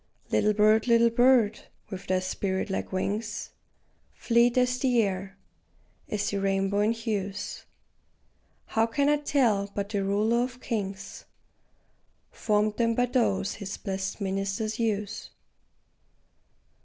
Little bird, little bird, with thy spirit like wings, Fleet as the air, as the rainbow in hues, How can I tell but the Ruler of kings Formed them by those his blest ministers use?